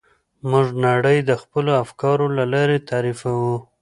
موږ نړۍ د خپلو افکارو له لارې تعریفوو.